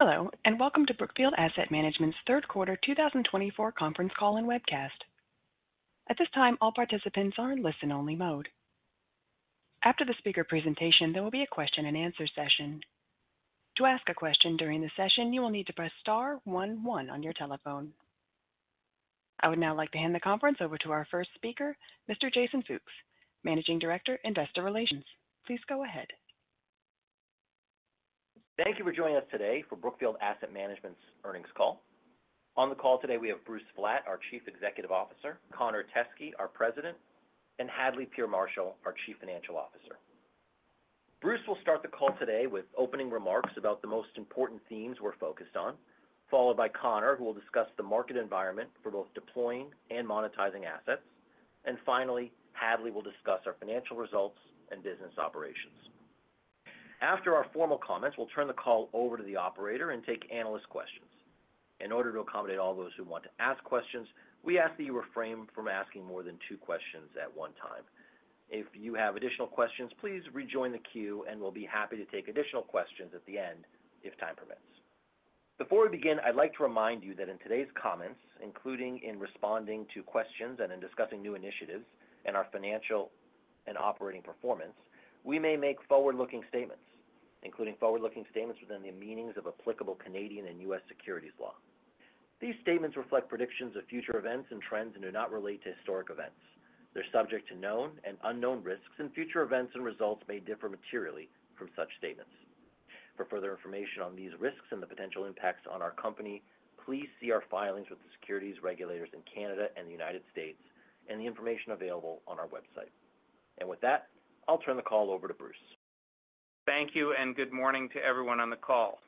Hello, and welcome to Brookfield Asset Management's third quarter 2024 conference call and webcast. At this time, all participants are in listen-only mode. After the speaker presentation, there will be a question-and-answer session. To ask a question during the session, you will need to press star one one on your telephone. I would now like to hand the conference over to our first speaker, Mr. Jason Fooks, Managing Director, Investor Relations. Please go ahead. Thank you for joining us today for Brookfield Asset Management's earnings call. On the call today, we have Bruce Flatt, our Chief Executive Officer, Connor Teskey, our President, and Hadley Peer Marshall, our Chief Financial Officer. Bruce will start the call today with opening remarks about the most important themes we're focused on, followed by Connor, who will discuss the market environment for both deploying and monetizing assets, and finally, Hadley will discuss our financial results and business operations. After our formal comments, we'll turn the call over to the operator and take analyst questions. In order to accommodate all those who want to ask questions, we ask that you refrain from asking more than two questions at one time. If you have additional questions, please rejoin the queue, and we'll be happy to take additional questions at the end if time permits. Before we begin, I'd like to remind you that in today's comments, including in responding to questions and in discussing new initiatives and our financial and operating performance, we may make forward-looking statements, including forward-looking statements within the meanings of applicable Canadian and U.S. securities law. These statements reflect predictions of future events and trends and do not relate to historic events. They're subject to known and unknown risks, and future events and results may differ materially from such statements. For further information on these risks and the potential impacts on our company, please see our filings with the securities regulators in Canada and the United States, and the information available on our website. And with that, I'll turn the call over to Bruce. Thank you, and good morning to everyone on the call.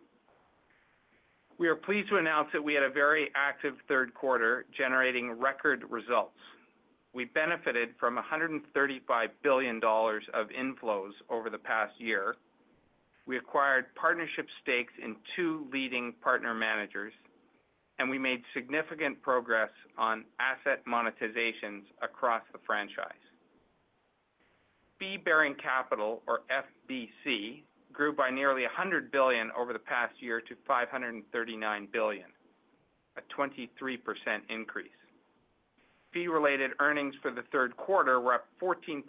We are pleased to announce that we had a very active third quarter generating record results. We benefited from $135 billion of inflows over the past year. We acquired partnership stakes in two leading partner managers, and we made significant progress on asset monetizations across the franchise. Fee-bearing capital, or FBC, grew by nearly $100 billion over the past year to $539 billion, a 23% increase. Fee-related earnings for the third quarter were up 14%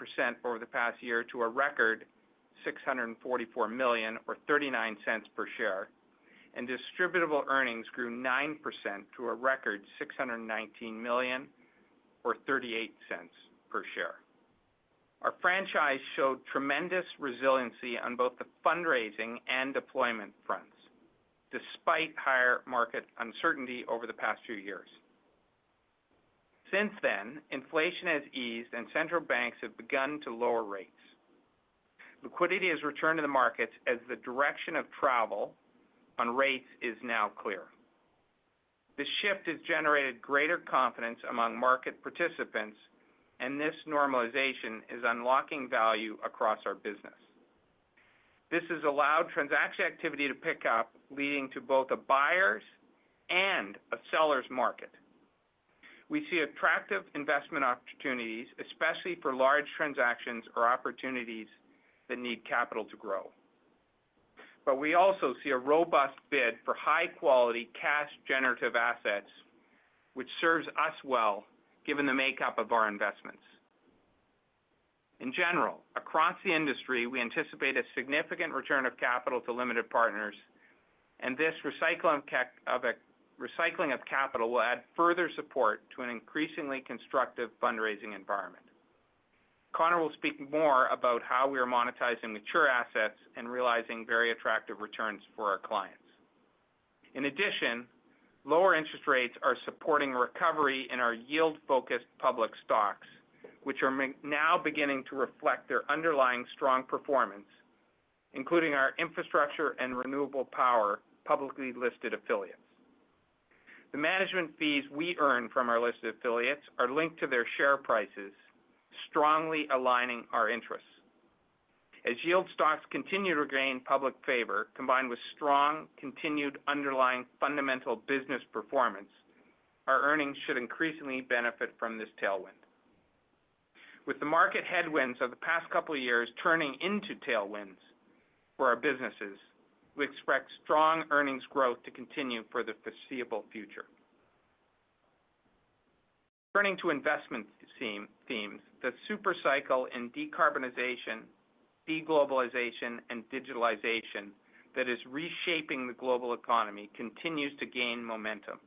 over the past year to a record $644 million, or $0.39 per share, and distributable earnings grew 9% to a record $619 million, or $0.38 per share. Our franchise showed tremendous resiliency on both the fundraising and deployment fronts, despite higher market uncertainty over the past few years. Since then, inflation has eased, and central banks have begun to lower rates. Liquidity has returned to the markets as the direction of travel on rates is now clear. This shift has generated greater confidence among market participants, and this normalization is unlocking value across our business. This has allowed transaction activity to pick up, leading to both a buyer's and a seller's market. We see attractive investment opportunities, especially for large transactions or opportunities that need capital to grow. But we also see a robust bid for high-quality cash-generative assets, which serves us well given the makeup of our investments. In general, across the industry, we anticipate a significant return of capital to limited partners, and this recycling of capital will add further support to an increasingly constructive fundraising environment. Connor will speak more about how we are monetizing mature assets and realizing very attractive returns for our clients. In addition, lower interest rates are supporting recovery in our yield-focused public stocks, which are now beginning to reflect their underlying strong performance, including our infrastructure and renewable power publicly listed affiliates. The management fees we earn from our listed affiliates are linked to their share prices, strongly aligning our interests. As yield stocks continue to gain public favor, combined with strong continued underlying fundamental business performance, our earnings should increasingly benefit from this tailwind. With the market headwinds of the past couple of years turning into tailwinds for our businesses, we expect strong earnings growth to continue for the foreseeable future. Turning to investment themes, the supercycle in decarbonization, deglobalization, and digitalization that is reshaping the global economy continues to gain momentum.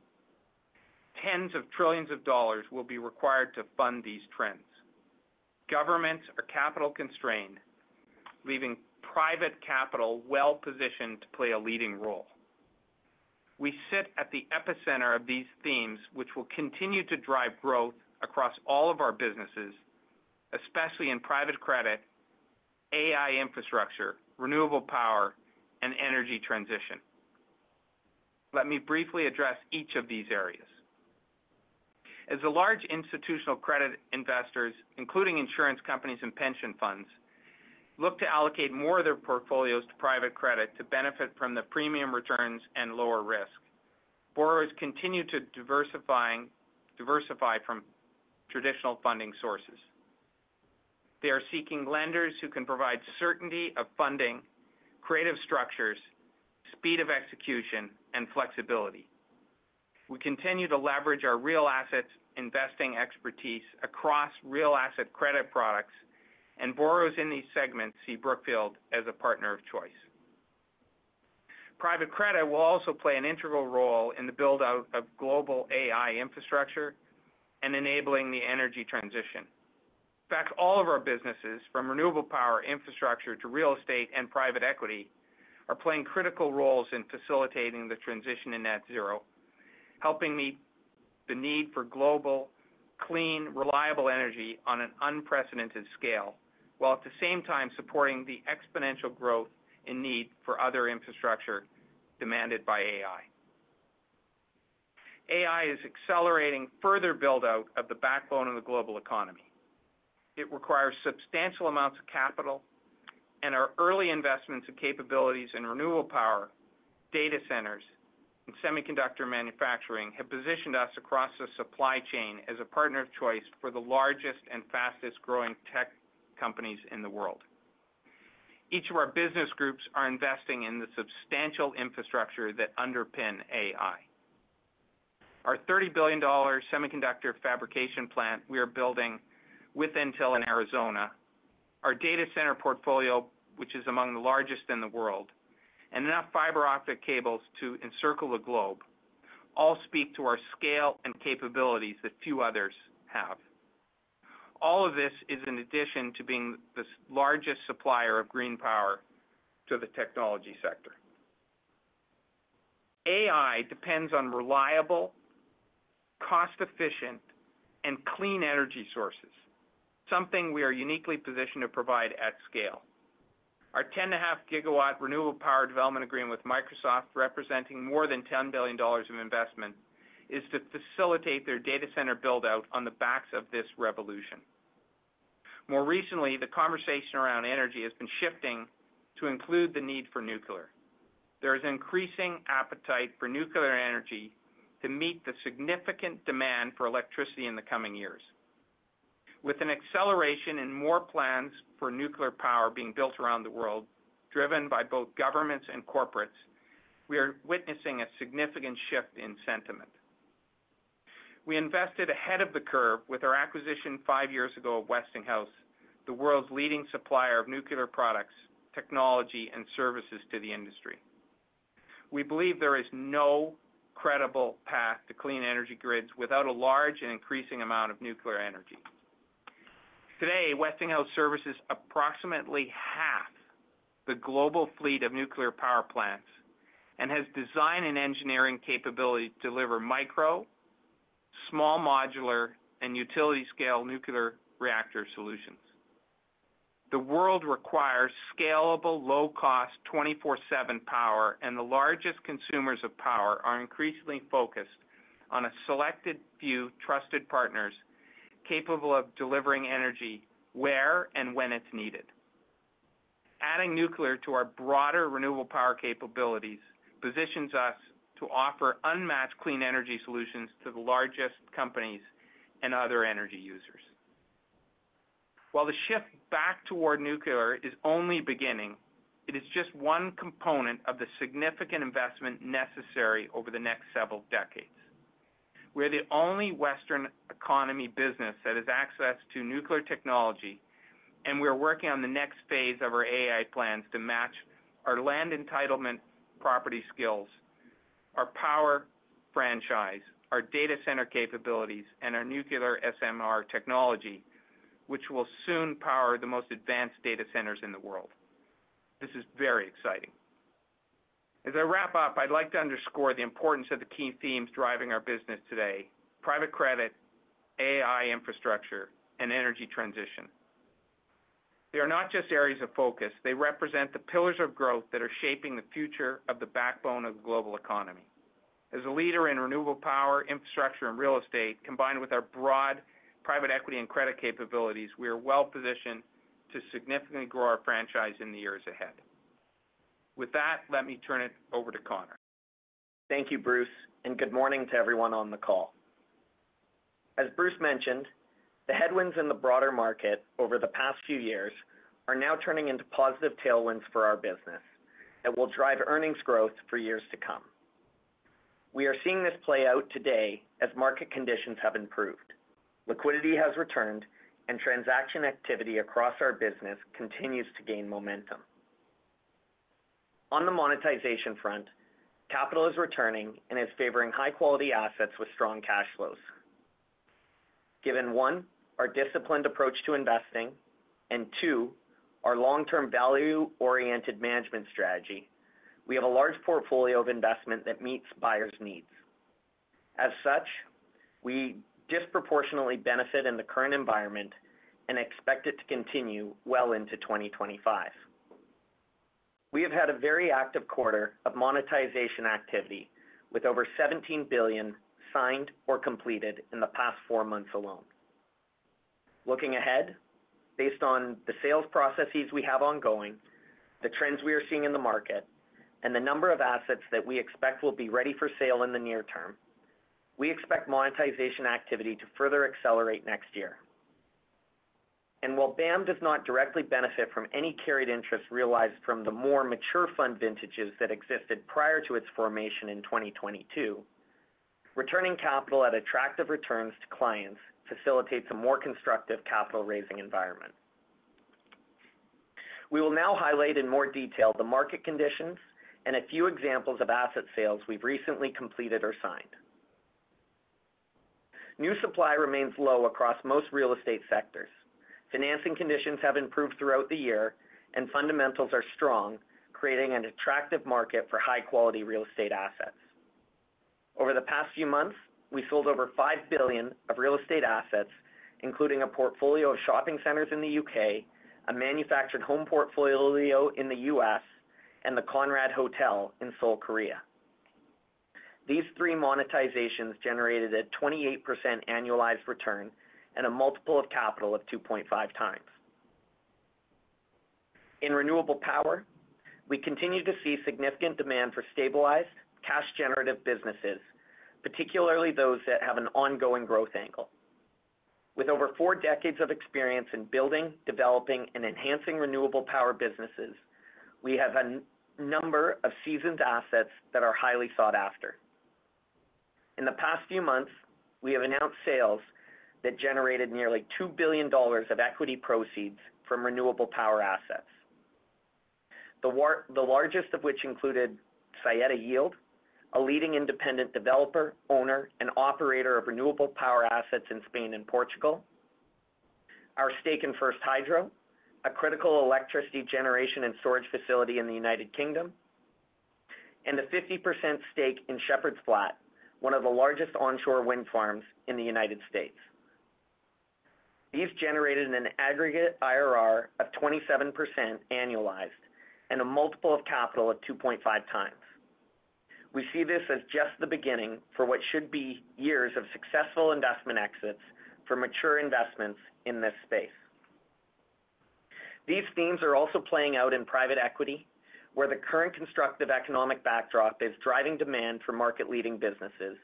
Tens of trillions of dollars will be required to fund these trends. Governments are capital constrained, leaving private capital well-positioned to play a leading role. We sit at the epicenter of these themes, which will continue to drive growth across all of our businesses, especially in private credit, AI infrastructure, renewable power, and energy transition. Let me briefly address each of these areas. As the large institutional credit investors, including insurance companies and pension funds, look to allocate more of their portfolios to private credit to benefit from the premium returns and lower risk, borrowers continue to diversify from traditional funding sources. They are seeking lenders who can provide certainty of funding, creative structures, speed of execution, and flexibility. We continue to leverage our real assets investing expertise across real asset credit products, and borrowers in these segments see Brookfield as a partner of choice. Private credit will also play an integral role in the build-out of global AI infrastructure and enabling the energy transition. In fact, all of our businesses, from renewable power infrastructure to real estate and private equity, are playing critical roles in facilitating the transition to net zero, helping meet the need for global, clean, reliable energy on an unprecedented scale, while at the same time supporting the exponential growth in need for other infrastructure demanded by AI. AI is accelerating further build-out of the backbone of the global economy. It requires substantial amounts of capital, and our early investments in capabilities and renewable power, data centers, and semiconductor manufacturing have positioned us across the supply chain as a partner of choice for the largest and fastest-growing tech companies in the world. Each of our business groups are investing in the substantial infrastructure that underpins AI. Our $30 billion semiconductor fabrication plant we are building with Intel in Arizona, our data center portfolio, which is among the largest in the world, and enough fiber optic cables to encircle the globe all speak to our scale and capabilities that few others have. All of this is in addition to being the largest supplier of green power to the technology sector. AI depends on reliable, cost-efficient, and clean energy sources, something we are uniquely positioned to provide at scale. Our 10.5 GW renewable power development agreement with Microsoft, representing more than $10 billion of investment, is to facilitate their data center build-out on the backs of this revolution. More recently, the conversation around energy has been shifting to include the need for nuclear. There is an increasing appetite for nuclear energy to meet the significant demand for electricity in the coming years. With an acceleration in more plans for nuclear power being built around the world, driven by both governments and corporates, we are witnessing a significant shift in sentiment. We invested ahead of the curve with our acquisition five years ago of Westinghouse, the world's leading supplier of nuclear products, technology, and services to the industry. We believe there is no credible path to clean energy grids without a large and increasing amount of nuclear energy. Today, Westinghouse services approximately half the global fleet of nuclear power plants and has design and engineering capability to deliver micro, small modular, and utility-scale nuclear reactor solutions. The world requires scalable, low-cost, 24/7 power, and the largest consumers of power are increasingly focused on a selected few trusted partners capable of delivering energy where and when it's needed. Adding nuclear to our broader renewable power capabilities positions us to offer unmatched clean energy solutions to the largest companies and other energy users. While the shift back toward nuclear is only beginning, it is just one component of the significant investment necessary over the next several decades. We are the only Western economy business that has access to nuclear technology, and we are working on the next phase of our AI plans to match our land entitlement property skills, our power franchise, our data center capabilities, and our nuclear SMR technology, which will soon power the most advanced data centers in the world. This is very exciting. As I wrap up, I'd like to underscore the importance of the key themes driving our business today: private credit, AI infrastructure, and energy transition. They are not just areas of focus. They represent the pillars of growth that are shaping the future of the backbone of the global economy. As a leader in renewable power, infrastructure, and real estate, combined with our broad private equity and credit capabilities, we are well-positioned to significantly grow our franchise in the years ahead. With that, let me turn it over to Connor. Thank you, Bruce, and good morning to everyone on the call. As Bruce mentioned, the headwinds in the broader market over the past few years are now turning into positive tailwinds for our business that will drive earnings growth for years to come. We are seeing this play out today as market conditions have improved, liquidity has returned, and transaction activity across our business continues to gain momentum. On the monetization front, capital is returning and is favoring high-quality assets with strong cash flows. Given one, our disciplined approach to investing, and two, our long-term value-oriented management strategy, we have a large portfolio of investment that meets buyers' needs. As such, we disproportionately benefit in the current environment and expect it to continue well into 2025. We have had a very active quarter of monetization activity, with over $17 billion signed or completed in the past four months alone. Looking ahead, based on the sales processes we have ongoing, the trends we are seeing in the market, and the number of assets that we expect will be ready for sale in the near-term, we expect monetization activity to further accelerate next year, and while BAM does not directly benefit from any carried interest realized from the more mature fund vintages that existed prior to its formation in 2022, returning capital at attractive returns to clients facilitates a more constructive capital-raising environment. We will now highlight in more detail the market conditions and a few examples of asset sales we've recently completed or signed. New supply remains low across most real estate sectors. Financing conditions have improved throughout the year, and fundamentals are strong, creating an attractive market for high-quality real estate assets. Over the past few months, we sold over $5 billion of real estate assets, including a portfolio of shopping centers in the U.K., a manufactured home portfolio in the U.S., and the Conrad Seoul in Seoul, South Korea. These three monetizations generated a 28% annualized return and a multiple of capital of 2.5x. In renewable power, we continue to see significant demand for stabilized, cash-generative businesses, particularly those that have an ongoing growth angle. With over four decades of experience in building, developing, and enhancing renewable power businesses, we have a number of seasoned assets that are highly sought after. In the past few months, we have announced sales that generated nearly $2 billion of equity proceeds from renewable power assets, the largest of which included Saeta Yield, a leading independent developer, owner, and operator of renewable power assets in Spain and Portugal, our stake in First Hydro, a critical electricity generation and storage facility in the United Kingdom, and a 50% stake in Shepherds Flat, one of the largest onshore wind farms in the United States. These generated an aggregate IRR of 27% annualized and a multiple of capital of 2.5x. We see this as just the beginning for what should be years of successful investment exits for mature investments in this space. These themes are also playing out in private equity, where the current constructive economic backdrop is driving demand for market-leading businesses,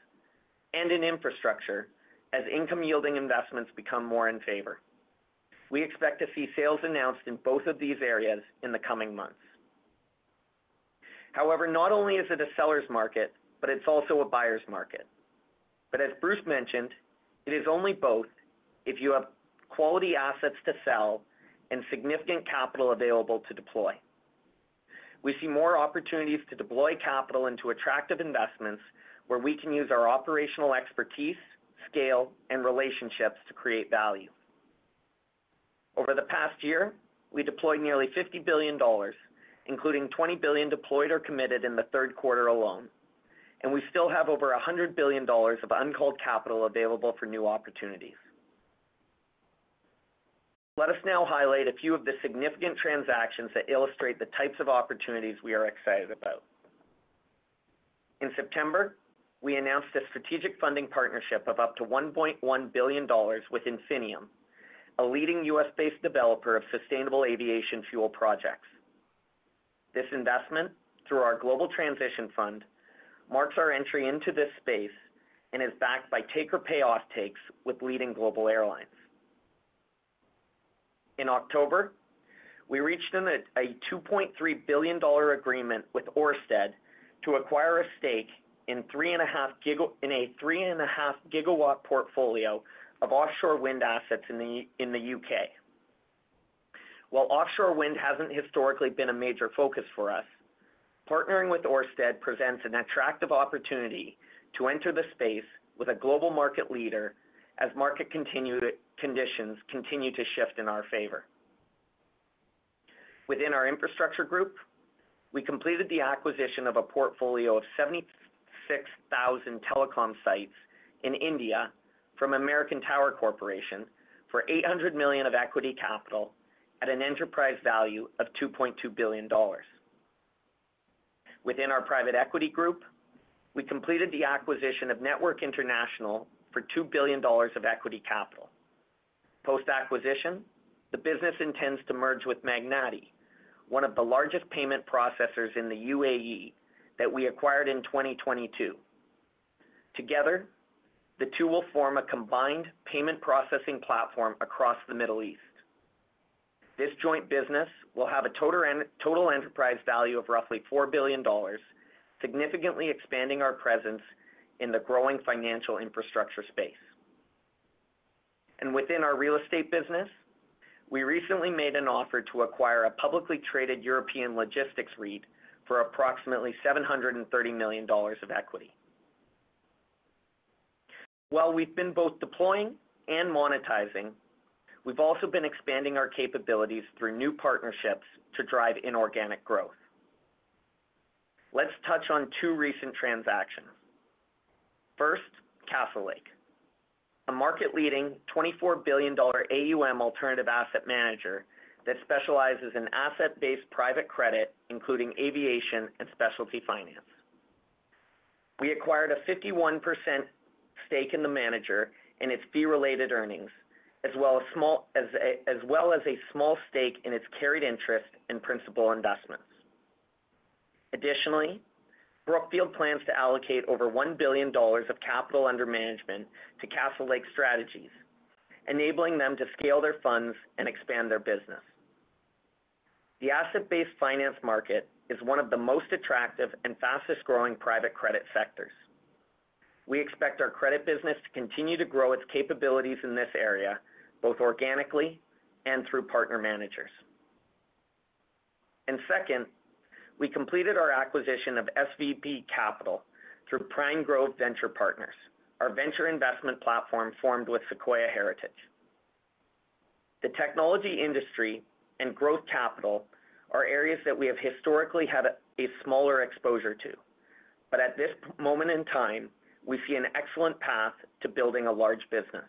and in infrastructure, as income-yielding investments become more in favor. We expect to see sales announced in both of these areas in the coming months. However, not only is it a seller's market, but it's also a buyer's market. But as Bruce mentioned, it is only both if you have quality assets to sell and significant capital available to deploy. We see more opportunities to deploy capital into attractive investments where we can use our operational expertise, scale, and relationships to create value. Over the past year, we deployed nearly $50 billion, including $20 billion deployed or committed in the third quarter alone, and we still have over $100 billion of uncalled capital available for new opportunities. Let us now highlight a few of the significant transactions that illustrate the types of opportunities we are excited about. In September, we announced a strategic funding partnership of up to $1.1 billion with Infinium, a leading U.S.-based developer of sustainable aviation fuel projects. This investment, through our Global Transition Fund, marks our entry into this space and is backed by take-or-pay offtakes with leading global airlines. In October, we reached a $2.3 billion agreement with Orsted to acquire a stake in a 3.5 GW portfolio of offshore wind assets in the U.K. While offshore wind hasn't historically been a major focus for us, partnering with Orsted presents an attractive opportunity to enter the space with a global market leader as market conditions continue to shift in our favor. Within our infrastructure group, we completed the acquisition of a portfolio of 76,000 telecom sites in India from American Tower Corporation for $800 million of equity capital at an enterprise value of $2.2 billion. Within our private equity group, we completed the acquisition of Network International for $2 billion of equity capital. Post-acquisition, the business intends to merge with Magnati, one of the largest payment processors in the UAE that we acquired in 2022. Together, the two will form a combined payment processing platform across the Middle East. This joint business will have a total enterprise value of roughly $4 billion, significantly expanding our presence in the growing financial infrastructure space, and within our real estate business, we recently made an offer to acquire a publicly traded European logistics REIT for approximately $730 million of equity. While we've been both deploying and monetizing, we've also been expanding our capabilities through new partnerships to drive inorganic growth. Let's touch on two recent transactions. First, Castlelake, a market-leading $24 billion AUM alternative asset manager that specializes in asset-based private credit, including aviation and specialty finance. We acquired a 51% stake in the manager and its fee-related earnings, as well as a small stake in its carried interest and principal investments. Additionally, Brookfield plans to allocate over $1 billion of capital under management to Castlelake, enabling them to scale their funds and expand their business. The asset-based finance market is one of the most attractive and fastest-growing private credit sectors. We expect our credit business to continue to grow its capabilities in this area, both organically and through partner managers. And second, we completed our acquisition of SVB Capital through Pinegrove Capital Partners, our venture investment platform formed with Sequoia Heritage. The technology industry and growth capital are areas that we have historically had a smaller exposure to, but at this moment in time, we see an excellent path to building a large business.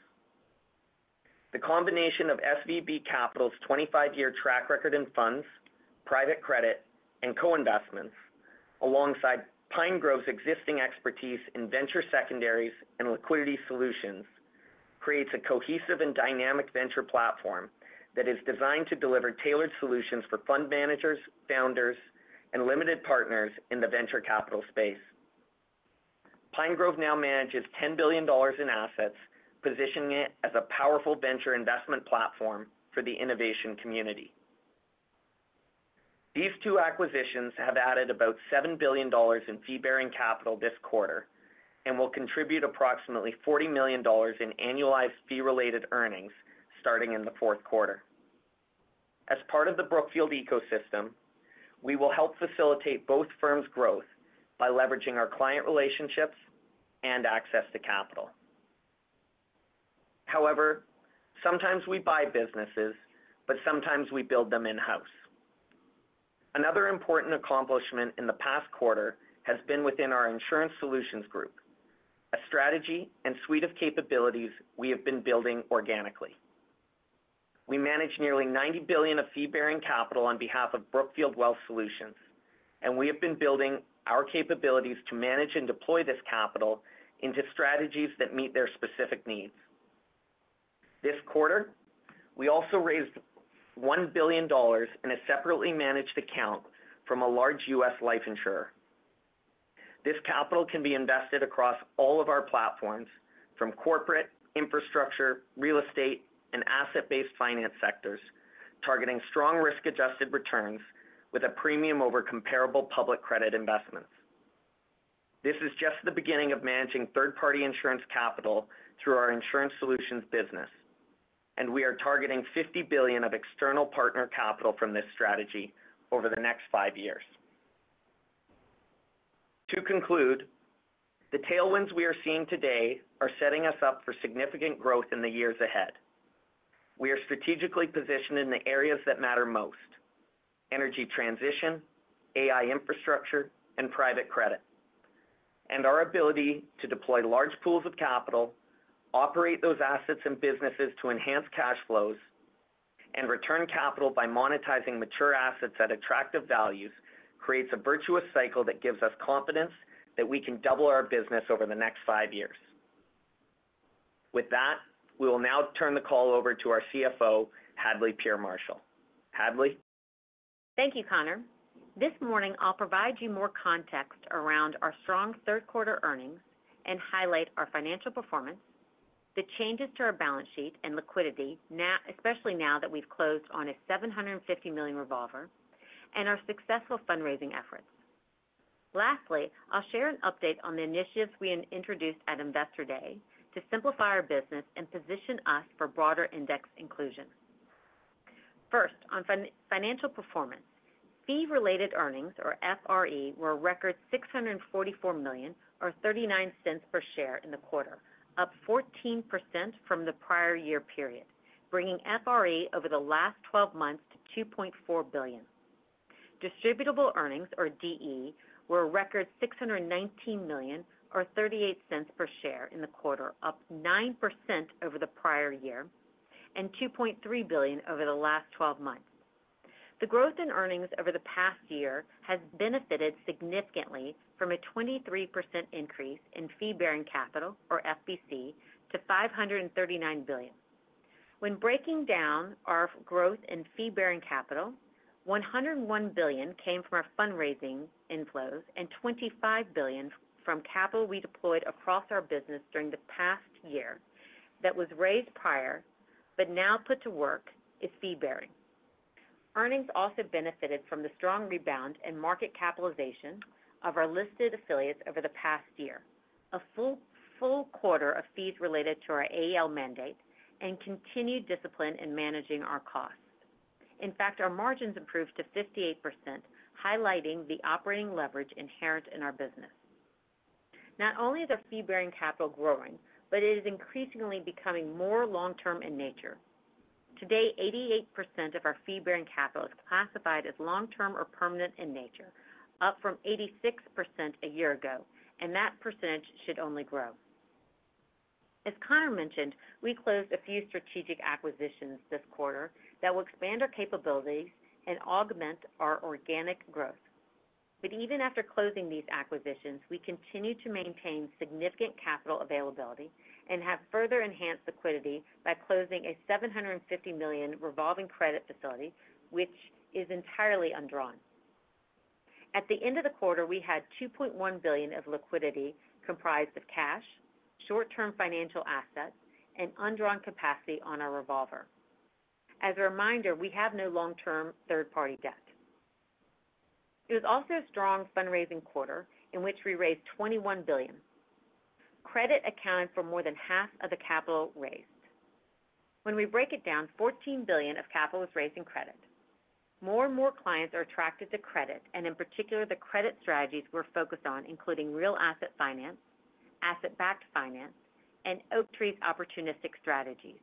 The combination of SVB Capital's 25-year track record in funds, private credit, and co-investments, alongside Pinegrove's existing expertise in venture secondaries and liquidity solutions, creates a cohesive and dynamic venture platform that is designed to deliver tailored solutions for fund managers, founders, and limited partners in the venture capital space. Pinegrove now manages $10 billion in assets, positioning it as a powerful venture investment platform for the innovation community. These two acquisitions have added about $7 billion in fee-bearing capital this quarter and will contribute approximately $40 million in annualized fee-related earnings starting in the fourth quarter. As part of the Brookfield ecosystem, we will help facilitate both firms' growth by leveraging our client relationships and access to capital. However, sometimes we buy businesses, but sometimes we build them in-house. Another important accomplishment in the past quarter has been within our insurance solutions group, a strategy and suite of capabilities we have been building organically. We manage nearly $90 billion of fee-bearing capital on behalf of Brookfield Wealth Solutions, and we have been building our capabilities to manage and deploy this capital into strategies that meet their specific needs. This quarter, we also raised $1 billion in a separately managed account from a large U.S. life insurer. This capital can be invested across all of our platforms, from corporate, infrastructure, real estate, and asset-based finance sectors, targeting strong risk-adjusted returns with a premium over comparable public credit investments. This is just the beginning of managing third-party insurance capital through our insurance solutions business, and we are targeting $50 billion of external partner capital from this strategy over the next five years. To conclude, the tailwinds we are seeing today are setting us up for significant growth in the years ahead. We are strategically positioned in the areas that matter most: energy transition, AI infrastructure, and private credit. And our ability to deploy large pools of capital, operate those assets and businesses to enhance cash flows, and return capital by monetizing mature assets at attractive values creates a virtuous cycle that gives us confidence that we can double our business over the next five years. With that, we will now turn the call over to our CFO, Hadley Peer Marshall. Hadley. Thank you, Connor. This morning, I'll provide you more context around our strong third-quarter earnings and highlight our financial performance, the changes to our balance sheet and liquidity, especially now that we've closed on a $750 million revolver, and our successful fundraising efforts. Lastly, I'll share an update on the initiatives we introduced at Investor Day to simplify our business and position us for broader index inclusion. First, on financial performance, fee-related earnings, or FRE, were a record $644 million, or $0.39 per share in the quarter, up 14% from the prior year period, bringing FRE over the last 12 months to $2.4 billion. Distributable earnings, or DE, were a record $619 million, or $0.38 per share in the quarter, up 9% over the prior year and $2.3 billion over the last 12 months. The growth in earnings over the past year has benefited significantly from a 23% increase in fee-bearing capital, or FBC, to $539 billion. When breaking down our growth in fee-bearing capital, $101 billion came from our fundraising inflows and $25 billion from capital we deployed across our business during the past year that was raised prior but now put to work, is fee-bearing. Earnings also benefited from the strong rebound and market capitalization of our listed affiliates over the past year, a full quarter of fees related to our AEL mandate, and continued discipline in managing our costs. In fact, our margins improved to 58%, highlighting the operating leverage inherent in our business. Not only is our fee-bearing capital growing, but it is increasingly becoming more long-term in nature. Today, 88% of our fee-bearing capital is classified as long-term or permanent in nature, up from 86% a year ago, and that percentage should only grow. As Connor mentioned, we closed a few strategic acquisitions this quarter that will expand our capabilities and augment our organic growth. But even after closing these acquisitions, we continue to maintain significant capital availability and have further enhanced liquidity by closing a $750 million revolving credit facility, which is entirely undrawn. At the end of the quarter, we had $2.1 billion of liquidity comprised of cash, short-term financial assets, and undrawn capacity on our revolver. As a reminder, we have no long-term third-party debt. It was also a strong fundraising quarter in which we raised $21 billion. Credit accounted for more than half of the capital raised. When we break it down, $14 billion of capital was raised in credit. More and more clients are attracted to credit, and in particular, the credit strategies we're focused on, including real asset finance, asset-backed finance, and Oaktree's opportunistic strategies.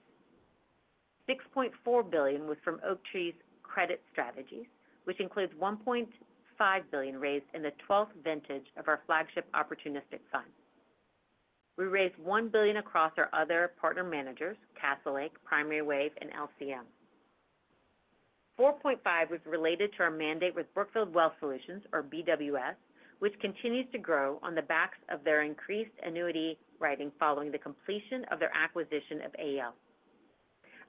$6.4 billion was from Oaktree's credit strategies, which includes $1.5 billion raised in the 12th vintage of our flagship opportunistic fund. We raised $1 billion across our other partner managers, Castlelake, Primary Wave, and LCM. $4.5 billion was related to our mandate with Brookfield Wealth Solutions, or BWS, which continues to grow on the backs of their increased annuity writing following the completion of their acquisition of AEL.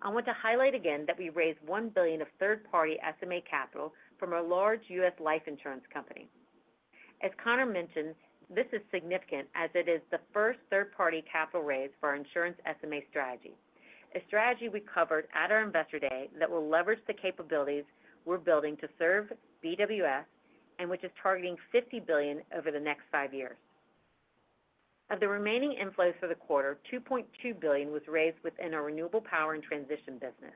I want to highlight again that we raised $1 billion of third-party SMA capital from a large U.S. life insurance company. As Connor mentioned, this is significant as it is the first third-party capital raise for our insurance SMA strategy, a strategy we covered at our Investor Day that will leverage the capabilities we're building to serve BWS and which is targeting $50 billion over the next five years. Of the remaining inflows for the quarter, $2.2 billion was raised within our renewable power and transition business.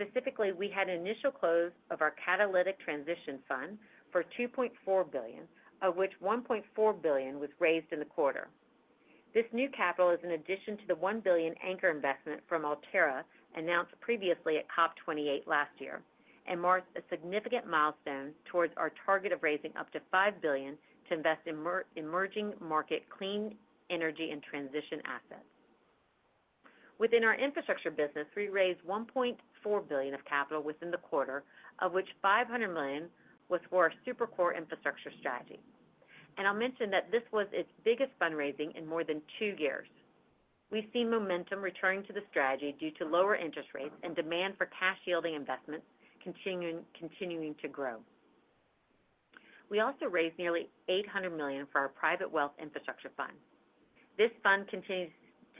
Specifically, we had an initial close of our Catalytic Transition Fund for $2.4 billion, of which $1.4 billion was raised in the quarter. This new capital is in addition to the $1 billion anchor investment from Alterra, announced previously at COP28 last year, and marks a significant milestone towards our target of raising up to $5 billion to invest in emerging market clean energy and transition assets. Within our infrastructure business, we raised $1.4 billion of capital within the quarter, of which $500 million was for our super core infrastructure strategy. And I'll mention that this was its biggest fundraising in more than two years. We've seen momentum returning to the strategy due to lower interest rates and demand for cash-yielding investments continuing to grow. We also raised nearly $800 million for our private wealth infrastructure fund. This fund continues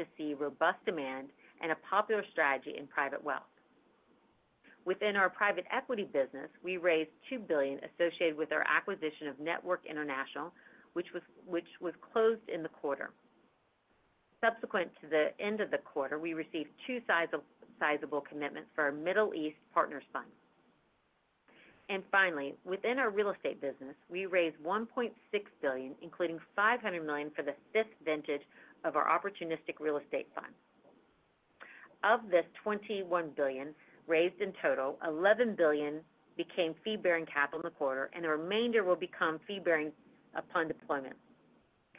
to see robust demand and a popular strategy in private wealth. Within our private equity business, we raised $2 billion associated with our acquisition of Network International, which was closed in the quarter. Subsequent to the end of the quarter, we received two sizable commitments for our Middle East Partners Fund. And finally, within our real estate business, we raised $1.6 billion, including $500 million for the fifth vintage of our opportunistic real estate fund. Of this $21 billion raised in total, $11 billion became fee-bearing capital in the quarter, and the remainder will become fee-bearing upon deployment.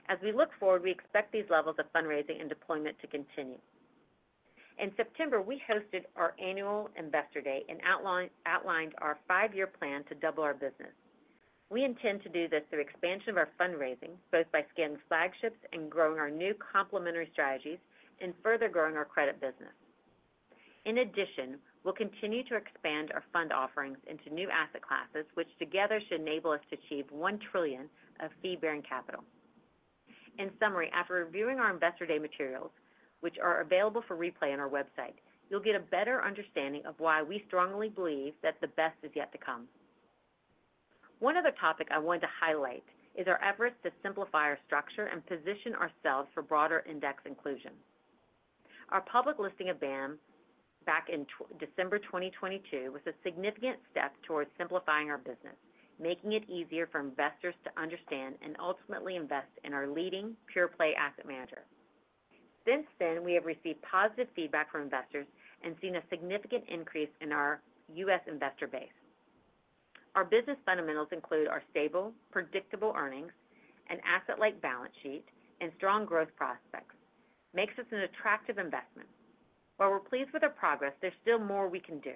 As we look forward, we expect these levels of fundraising and deployment to continue. In September, we hosted our annual Investor Day and outlined our five-year plan to double our business. We intend to do this through expansion of our fundraising, both by scaling flagships and growing our new complementary strategies and further growing our credit business. In addition, we'll continue to expand our fund offerings into new asset classes, which together should enable us to achieve $1 trillion of fee-bearing capital. In summary, after reviewing our Investor Day materials, which are available for replay on our website, you'll get a better understanding of why we strongly believe that the best is yet to come. One other topic I wanted to highlight is our efforts to simplify our structure and position ourselves for broader index inclusion. Our public listing of BAM back in December 2022 was a significant step towards simplifying our business, making it easier for investors to understand and ultimately invest in our leading pure play asset manager. Since then, we have received positive feedback from investors and seen a significant increase in our U.S. investor base. Our business fundamentals include our stable, predictable earnings, an asset-like balance sheet, and strong growth prospects, which makes us an attractive investment. While we're pleased with our progress, there's still more we can do.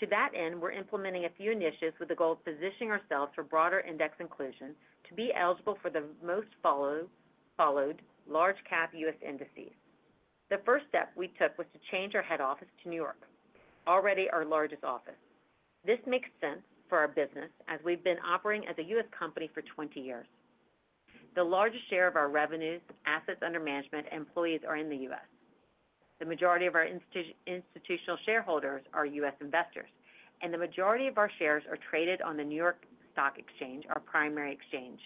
To that end, we're implementing a few initiatives with the goal of positioning ourselves for broader index inclusion to be eligible for the most followed large-cap U.S. indices. The first step we took was to change our head office to New York, already our largest office. This makes sense for our business as we've been operating as a U.S. company for 20 years. The largest share of our revenues, assets under management, and employees are in the U.S. The majority of our institutional shareholders are U.S. investors, and the majority of our shares are traded on the New York Stock Exchange, our primary exchange.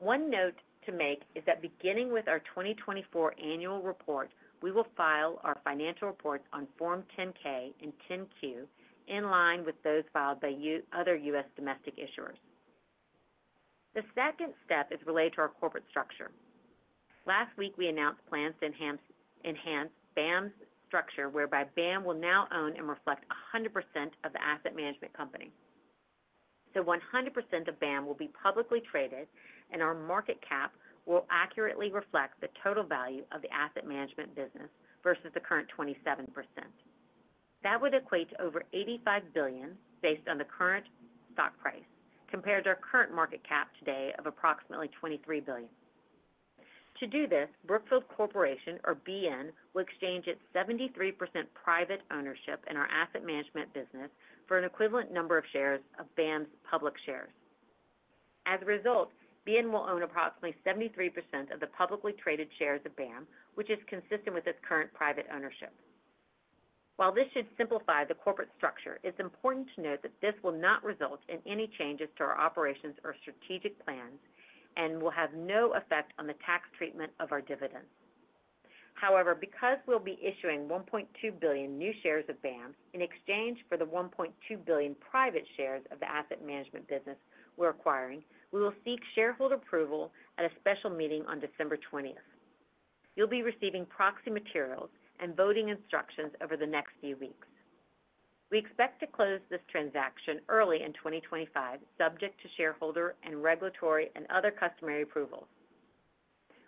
One note to make is that beginning with our 2024 annual report, we will file our financial reports on Form 10-K and 10-Q in line with those filed by other U.S. domestic issuers. The second step is related to our corporate structure. Last week, we announced plans to enhance BAM's structure, whereby BAM will now own and reflect 100% of the asset management company. So 100% of BAM will be publicly traded, and our market cap will accurately reflect the total value of the asset management business versus the current 27%. That would equate to over $85 billion based on the current stock price, compared to our current market cap today of approximately $23 billion. To do this, Brookfield Corporation, or BN, will exchange its 73% private ownership in our asset management business for an equivalent number of shares of BAM's public shares. As a result, BN will own approximately 73% of the publicly traded shares of BAM, which is consistent with its current private ownership. While this should simplify the corporate structure, it's important to note that this will not result in any changes to our operations or strategic plans and will have no effect on the tax treatment of our dividends. However, because we'll be issuing $1.2 billion new shares of BAM in exchange for the $1.2 billion private shares of the asset management business we're acquiring, we will seek shareholder approval at a special meeting on December 20th. You'll be receiving proxy materials and voting instructions over the next few weeks. We expect to close this transaction early in 2025, subject to shareholder and regulatory and other customary approvals.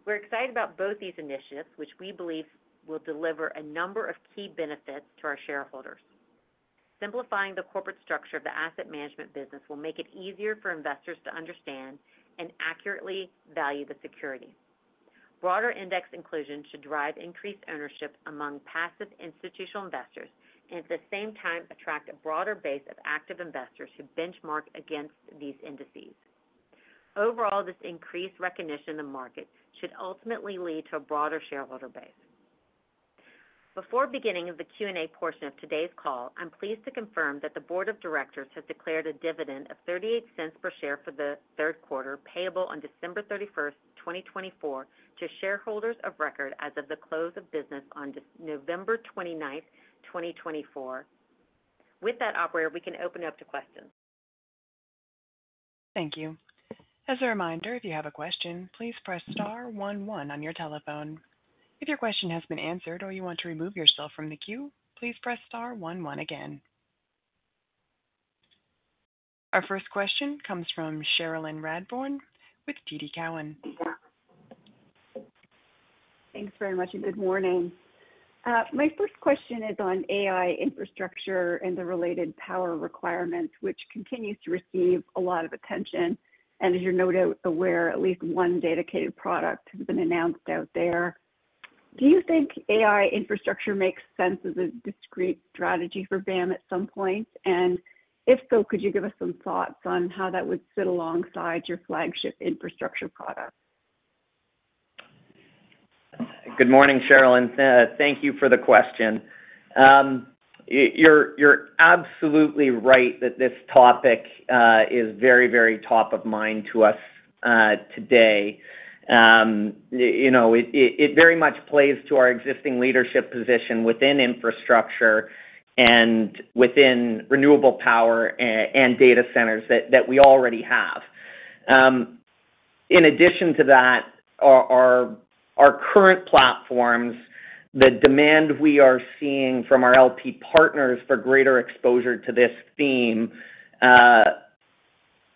We're excited about both these initiatives, which we believe will deliver a number of key benefits to our shareholders. Simplifying the corporate structure of the asset management business will make it easier for investors to understand and accurately value the security. Broader index inclusion should drive increased ownership among passive institutional investors and, at the same time, attract a broader base of active investors who benchmark against these indices. Overall, this increased recognition in the market should ultimately lead to a broader shareholder base. Before beginning the Q&A portion of today's call, I'm pleased to confirm that the Board of Directors has declared a dividend of $0.38 per share for the third quarter payable on December 31st, 2024, to shareholders of record as of the close of business on November 29th, 2024. With that, Operator, we can open up to questions. Thank you. As a reminder, if you have a question, please press star one one on your telephone. If your question has been answered or you want to remove yourself from the queue, please press star one one again. Our first question comes from Cherilyn Radbourne with TD Cowen. Thanks very much and good morning. My first question is on AI infrastructure and the related power requirements, which continues to receive a lot of attention. And as you're no doubt aware, at least one dedicated product has been announced out there. Do you think AI infrastructure makes sense as a discrete strategy for BAM at some point? And if so, could you give us some thoughts on how that would sit alongside your flagship infrastructure product? Good morning, Cherilyn. Thank you for the question. You're absolutely right that this topic is very, very top of mind to us today. It very much plays to our existing leadership position within infrastructure and within renewable power and data centers that we already have. In addition to that, our current platforms, the demand we are seeing from our LP partners for greater exposure to this theme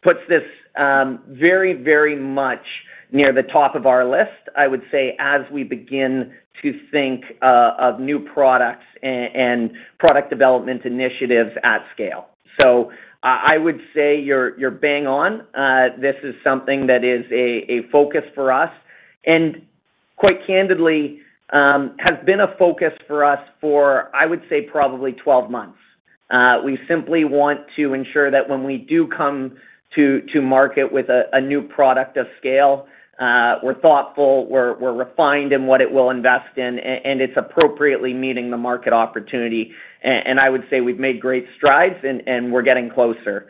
puts this very, very much near the top of our list, I would say, as we begin to think of new products and product development initiatives at scale. So I would say you're bang on. This is something that is a focus for us and, quite candidly, has been a focus for us for, I would say, probably 12 months. We simply want to ensure that when we do come to market with a new product of scale, we're thoughtful, we're refined in what it will invest in, and it's appropriately meeting the market opportunity. And I would say we've made great strides and we're getting closer.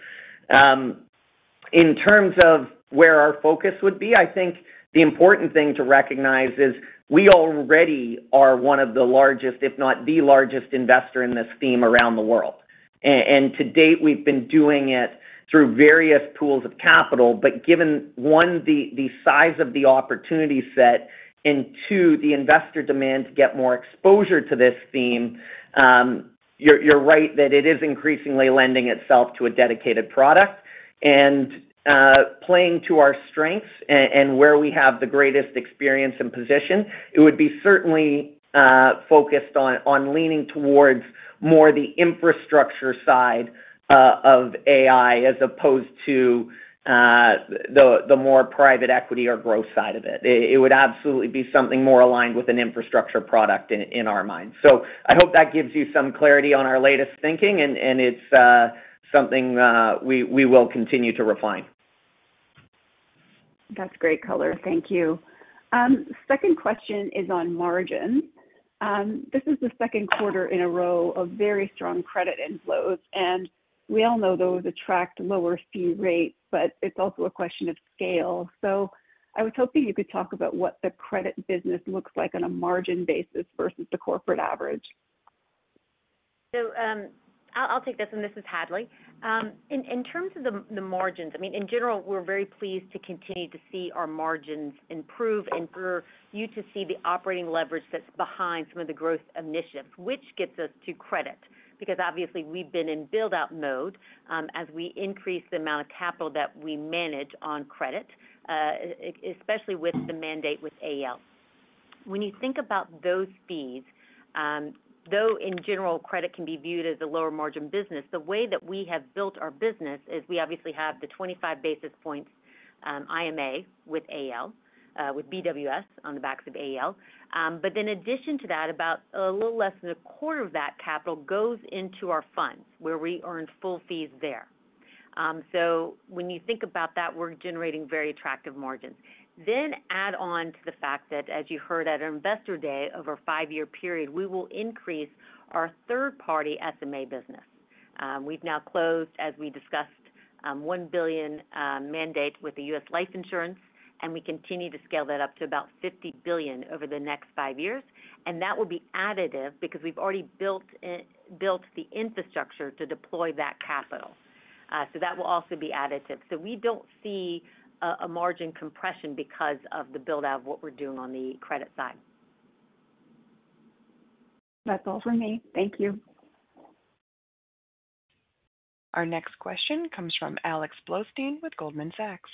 In terms of where our focus would be, I think the important thing to recognize is we already are one of the largest, if not the largest investor in this theme around the world. And to date, we've been doing it through various pools of capital, but given, one, the size of the opportunity set, and two, the investor demand to get more exposure to this theme, you're right that it is increasingly lending itself to a dedicated product. Playing to our strengths and where we have the greatest experience and position, it would be certainly focused on leaning towards more the infrastructure side of AI as opposed to the more private equity or growth side of it. It would absolutely be something more aligned with an infrastructure product in our minds. I hope that gives you some clarity on our latest thinking, and it's something we will continue to refine. That's great color. Thank you. Second question is on margins. This is the second quarter in a row of very strong credit inflows. We all know those attract lower fee rates, but it's also a question of scale. I was hoping you could talk about what the credit business looks like on a margin basis versus the corporate average. I'll take this, and this is Hadley. In terms of the margins, I mean, in general, we're very pleased to continue to see our margins improve and for you to see the operating leverage that's behind some of the growth initiatives, which gets us to credit because, obviously, we've been in buildout mode as we increase the amount of capital that we manage on credit, especially with the mandate with AEL. When you think about those fees, though, in general, credit can be viewed as a lower margin business. The way that we have built our business is we obviously have the 25 basis points IMA with AEL, with BWS on the backs of AEL. But in addition to that, about a little less than a quarter of that capital goes into our funds where we earn full fees there. So when you think about that, we're generating very attractive margins. Then add on to the fact that, as you heard at our Investor Day, over a five-year period, we will increase our third-party SMA business. We've now closed, as we discussed, $1 billion mandate with the U.S. life insurance, and we continue to scale that up to about $50 billion over the next five years. And that will be additive because we've already built the infrastructure to deploy that capital. So that will also be additive. So we don't see a margin compression because of the buildout of what we're doing on the credit side. That's all for me. Thank you. Our next question comes from Alex Blostein with Goldman Sachs.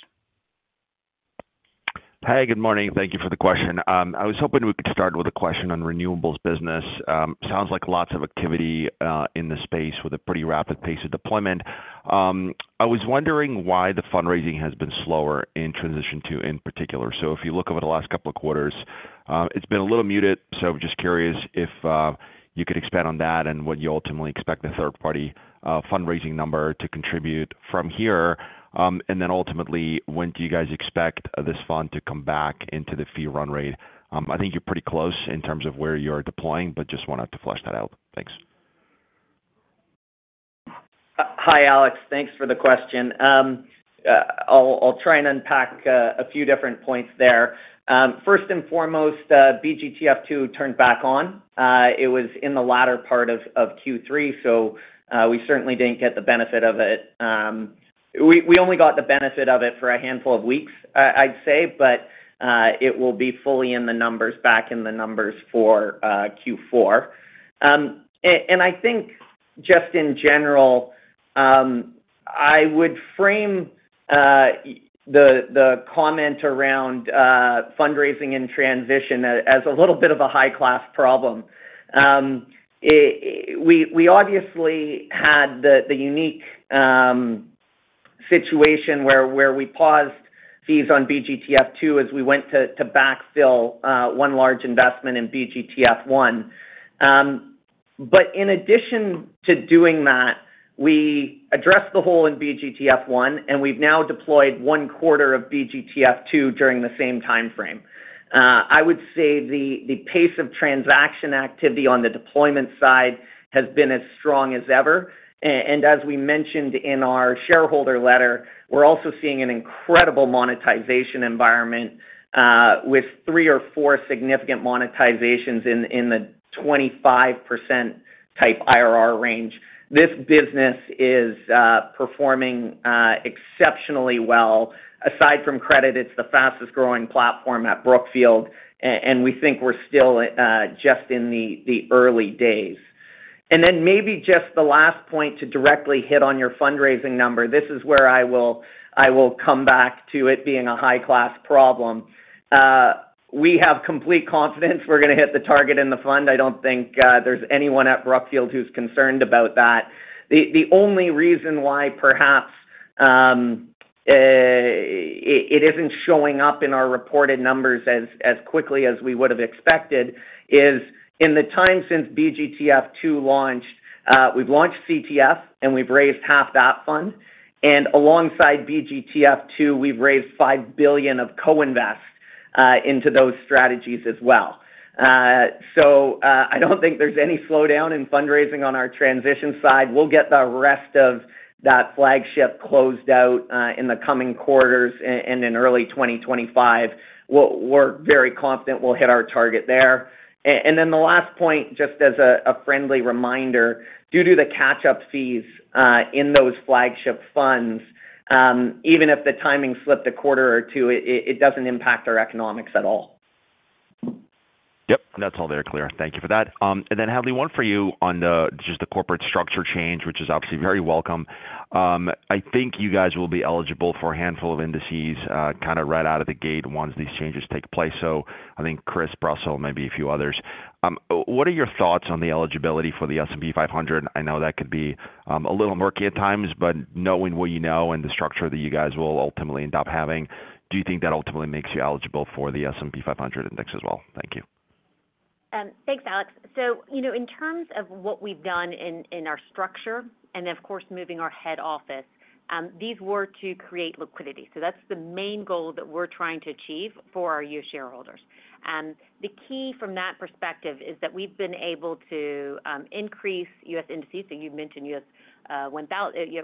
Hi, good morning. Thank you for the question. I was hoping we could start with a question on renewables business. Sounds like lots of activity in the space with a pretty rapid pace of deployment. I was wondering why the fundraising has been slower in transition to, in particular. So if you look over the last couple of quarters, it's been a little muted. So I'm just curious if you could expand on that and what you ultimately expect the third-party fundraising number to contribute from here. And then ultimately, when do you guys expect this fund to come back into the fee run rate? I think you're pretty close in terms of where you're deploying, but just wanted to flesh that out. Thanks. Hi, Alex. Thanks for the question. I'll try and unpack a few different points there. First and foremost, BGTF2 turned back on. It was in the latter part of Q3, so we certainly didn't get the benefit of it. We only got the benefit of it for a handful of weeks, I'd say, but it will be fully in the numbers, back in the numbers for Q4. And I think, just in general, I would frame the comment around fundraising and transition as a little bit of a high-class problem. We obviously had the unique situation where we paused fees on BGTF2 as we went to backfill one large investment in BGTF1. But in addition to doing that, we addressed the hole in BGTF1, and we've now deployed one quarter of BGTF2 during the same timeframe. I would say the pace of transaction activity on the deployment side has been as strong as ever. And as we mentioned in our shareholder letter, we're also seeing an incredible monetization environment with three or four significant monetizations in the 25% type IRR range. This business is performing exceptionally well. Aside from credit, it's the fastest-growing platform at Brookfield, and we think we're still just in the early days, and then maybe just the last point to directly hit on your fundraising number, this is where I will come back to it being a high-class problem. We have complete confidence we're going to hit the target in the fund. I don't think there's anyone at Brookfield who's concerned about that. The only reason why perhaps it isn't showing up in our reported numbers as quickly as we would have expected is in the time since BGTF2 launched, we've launched CTF, and we've raised half that fund, and alongside BGTF2, we've raised $5 billion of co-invest into those strategies as well, so I don't think there's any slowdown in fundraising on our transition side. We'll get the rest of that flagship closed out in the coming quarters and in early 2025. We're very confident we'll hit our target there. And then the last point, just as a friendly reminder, due to the catch-up fees in those flagship funds, even if the timing slipped a quarter or two, it doesn't impact our economics at all. Yep. That's all very clear. Thank you for that. And then, Hadley, one for you on just the corporate structure change, which is obviously very welcome. I think you guys will be eligible for a handful of indices, kind of right out of the gate once these changes take place. So I think S&P, Russell, maybe a few others. What are your thoughts on the eligibility for the S&P 500? I know that could be a little murky at times, but knowing what you know and the structure that you guys will ultimately end up having, do you think that ultimately makes you eligible for the S&P 500 index as well? Thank you. Thanks, Alex. So in terms of what we've done in our structure and, of course, moving our head office, these were to create liquidity. So that's the main goal that we're trying to achieve for our U.S. shareholders. The key from that perspective is that we've been able to increase U.S. indices. So you mentioned U.S.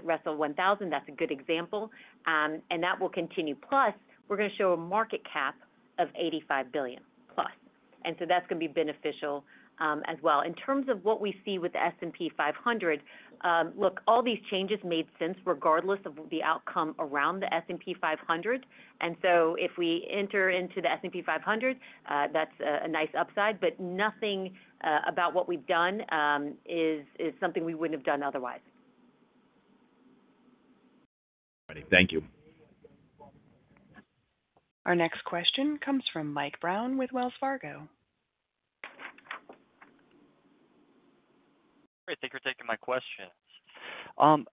Russell 1000. That's a good example. And that will continue. Plus, we're going to show a market cap of $85 billion plus. And so that's going to be beneficial as well. In terms of what we see with the S&P 500, look, all these changes made sense, regardless of the outcome around the S&P 500. And so if we enter into the S&P 500, that's a nice upside. But nothing about what we've done is something we wouldn't have done otherwise. Thank you. Our next question comes from Mike Brown with Wells Fargo. Great. Thank you for taking my question. On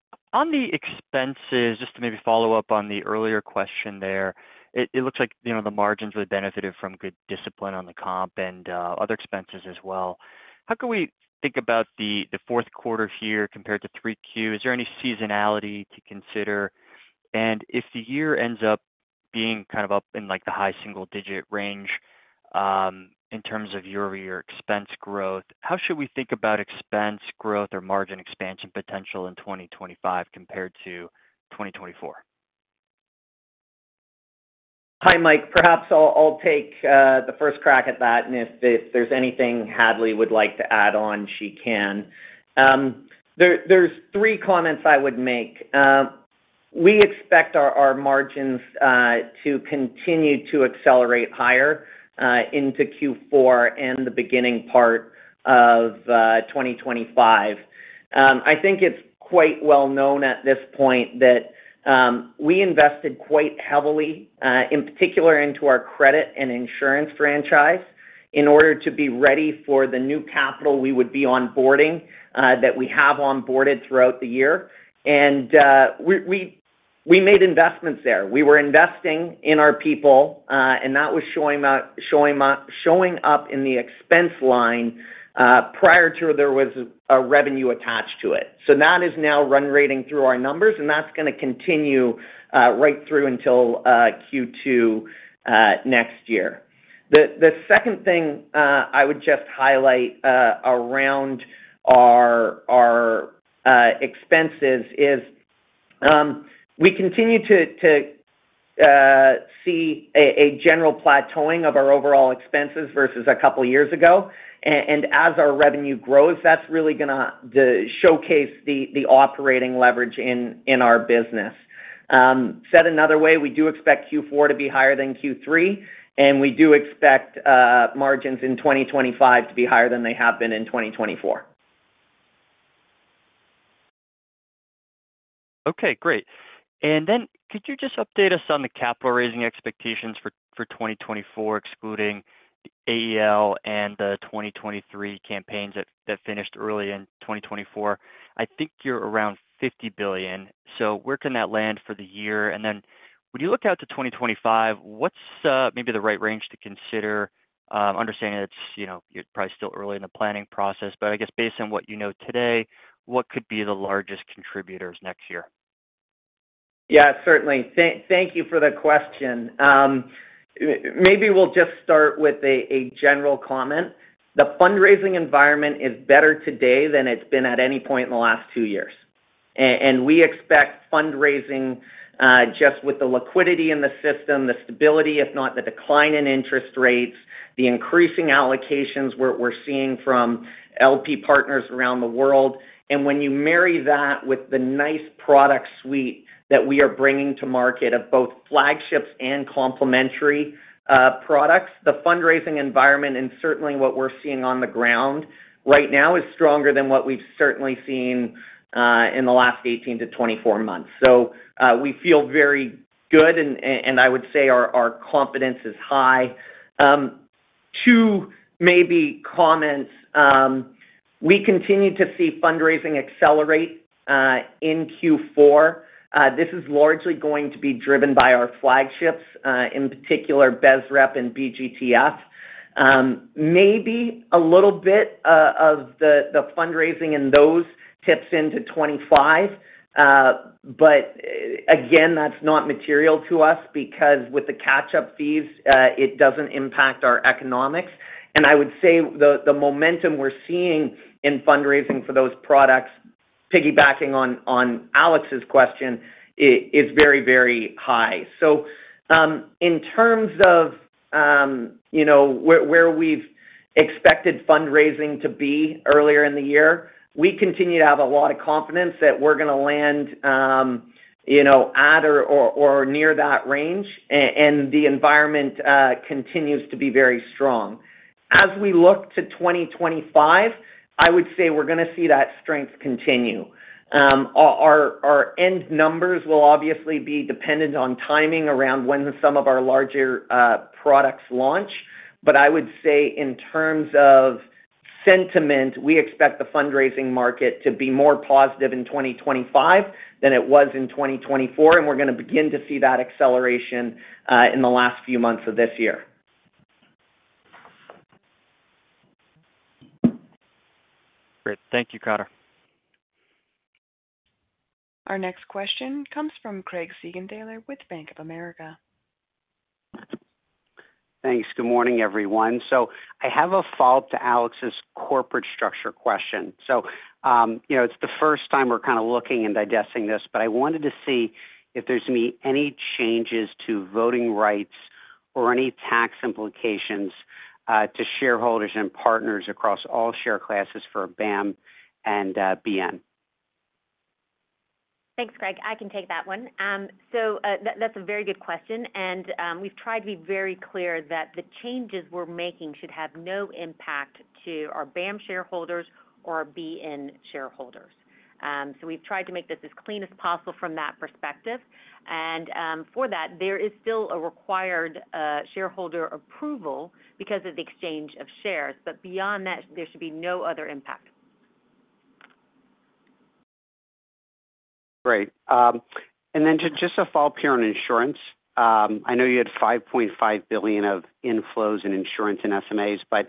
the expenses, just to maybe follow up on the earlier question there, it looks like the margins really benefited from good discipline on the comp and other expenses as well. How can we think about the fourth quarter here compared to 3Q? Is there any seasonality to consider? If the year ends up being kind of up in the high single-digit range in terms of your expense growth, how should we think about expense growth or margin expansion potential in 2025 compared to 2024? Hi, Mike. Perhaps I'll take the first crack at that. If there's anything Hadley would like to add on, she can. There's three comments I would make. We expect our margins to continue to accelerate higher into Q4 and the beginning part of 2025. I think it's quite well known at this point that we invested quite heavily, in particular, into our credit and insurance franchise in order to be ready for the new capital we would be onboarding that we have onboarded throughout the year. We made investments there. We were investing in our people, and that was showing up in the expense line prior to there was a revenue attached to it. So that is now run rating through our numbers, and that's going to continue right through until Q2 next year. The second thing I would just highlight around our expenses is we continue to see a general plateauing of our overall expenses versus a couple of years ago, and as our revenue grows, that's really going to showcase the operating leverage in our business. Said another way, we do expect Q4 to be higher than Q3, and we do expect margins in 2025 to be higher than they have been in 2024. Okay. Great, and then could you just update us on the capital raising expectations for 2024, excluding the AEL and the 2023 campaigns that finished early in 2024? I think you're around $50 billion. So where can that land for the year? And then when you look out to 2025, what's maybe the right range to consider, understanding that you're probably still early in the planning process? But I guess based on what you know today, what could be the largest contributors next year? Yeah, certainly. Thank you for the question. Maybe we'll just start with a general comment. The fundraising environment is better today than it's been at any point in the last two years. And we expect fundraising just with the liquidity in the system, the stability, if not the decline in interest rates, the increasing allocations we're seeing from LPs around the world. And when you marry that with the nice product suite that we are bringing to market of both flagships and complementary products, the fundraising environment, and certainly what we're seeing on the ground right now, is stronger than what we've certainly seen in the last 18-24 months. So we feel very good, and I would say our confidence is high. Two maybe comments. We continue to see fundraising accelerate in Q4. This is largely going to be driven by our flagships, in particular, BSREP and BGTF. Maybe a little bit of the fundraising in those tips into 2025. But again, that's not material to us because with the catch-up fees, it doesn't impact our economics. And I would say the momentum we're seeing in fundraising for those products, piggybacking on Alex's question, is very, very high. So in terms of where we've expected fundraising to be earlier in the year, we continue to have a lot of confidence that we're going to land at or near that range, and the environment continues to be very strong. As we look to 2025, I would say we're going to see that strength continue. Our end numbers will obviously be dependent on timing around when some of our larger products launch. But I would say in terms of sentiment, we expect the fundraising market to be more positive in 2025 than it was in 2024, and we're going to begin to see that acceleration in the last few months of this year. Great. Thank you, Connor. Our next question comes from Craig Siegenthaler with Bank of America. Thanks. Good morning, everyone. So I have a follow-up to Alex's corporate structure question. So it's the first time we're kind of looking and digesting this, but I wanted to see if there's any changes to voting rights or any tax implications to shareholders and partners across all share classes for BAM and BN. Thanks, Craig. I can take that one. So that's a very good question. And we've tried to be very clear that the changes we're making should have no impact to our BAM shareholders or our BN shareholders. So we've tried to make this as clean as possible from that perspective. And for that, there is still a required shareholder approval because of the exchange of shares. But beyond that, there should be no other impact. Great. And then just a follow-up here on insurance. I know you had $5.5 billion of inflows in insurance and SMAs, but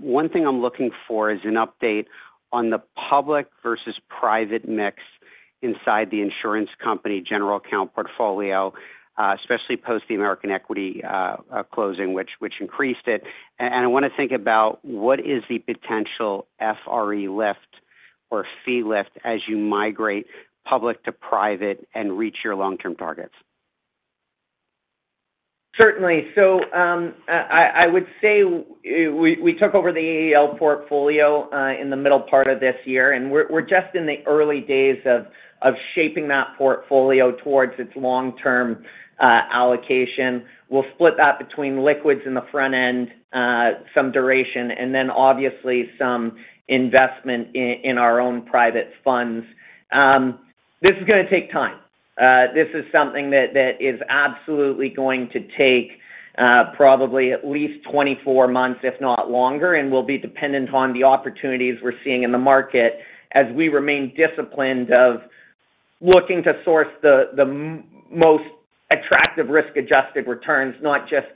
one thing I'm looking for is an update on the public versus private mix inside the insurance company general account portfolio, especially post the American Equity closing, which increased it, and I want to think about what is the potential FRE lift or fee lift as you migrate public to private and reach your long-term targets? Certainly. So I would say we took over the AEL portfolio in the middle part of this year, and we're just in the early days of shaping that portfolio towards its long-term allocation. We'll split that between liquids in the front end, some duration, and then obviously some investment in our own private funds. This is going to take time. This is something that is absolutely going to take probably at least 24 months, if not longer, and we'll be dependent on the opportunities we're seeing in the market as we remain disciplined of looking to source the most attractive risk-adjusted returns, not just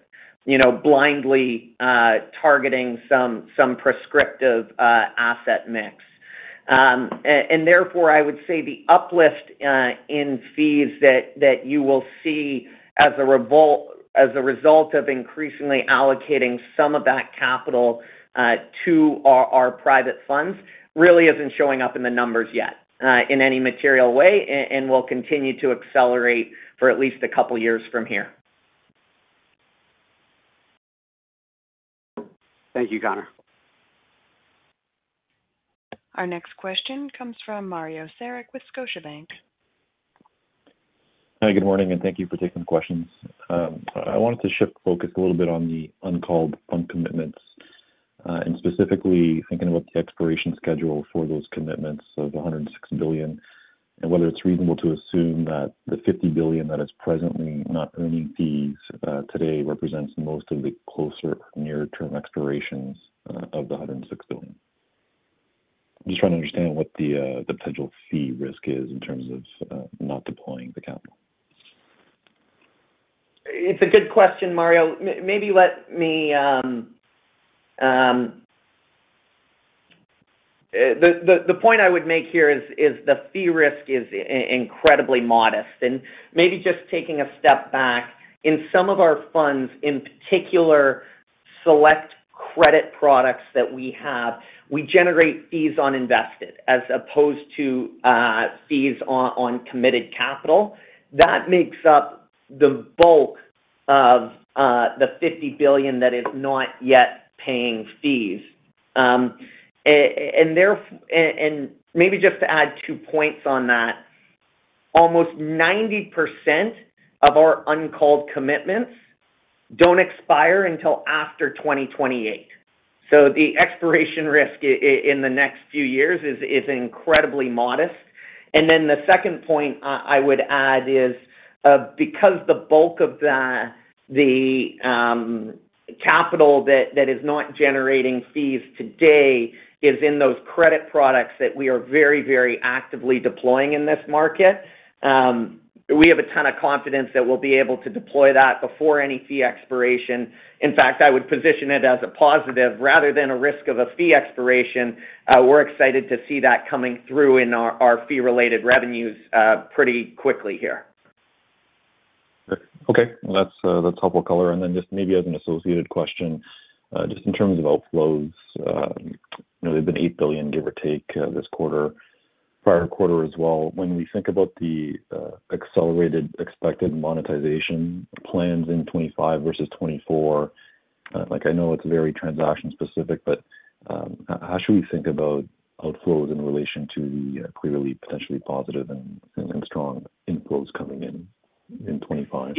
blindly targeting some prescriptive asset mix. And therefore, I would say the uplift in fees that you will see as a result of increasingly allocating some of that capital to our private funds really isn't showing up in the numbers yet in any material way and will continue to accelerate for at least a couple of years from here. Thank you, Connor. Our next question comes from Mario Saric with Scotiabank. Hi, good morning, and thank you for taking the questions.I wanted to shift focus a little bit on the uncalled fund commitments and specifically thinking about the expiration schedule for those commitments of $106 billion and whether it's reasonable to assume that the $50 billion that is presently not earning fees today represents most of the closer near-term expirations of the $106 billion. I'm just trying to understand what the potential fee risk is in terms of not deploying the capital. It's a good question, Mario. Maybe let me make the point I would make here is the fee risk is incredibly modest, and maybe just taking a step back, in some of our funds, in particular, select credit products that we have, we generate fees on invested as opposed to fees on committed capital. That makes up the bulk of the $50 billion that is not yet paying fees. And maybe just to add two points on that, almost 90% of our uncalled commitments don't expire until after 2028. So the expiration risk in the next few years is incredibly modest. And then the second point I would add is because the bulk of the capital that is not generating fees today is in those credit products that we are very, very actively deploying in this market, we have a ton of confidence that we'll be able to deploy that before any fee expiration. In fact, I would position it as a positive rather than a risk of a fee expiration. We're excited to see that coming through in our fee-related revenues pretty quickly here. Okay. Well, that's helpful, Connor. And then just maybe as an associated question, just in terms of outflows, there have been $8 billion, give or take, this quarter, prior quarter as well. When we think about the accelerated expected monetization plans in 2025 versus 2024, I know it's very transaction-specific, but how should we think about outflows in relation to the clearly potentially positive and strong inflows coming in in 2025?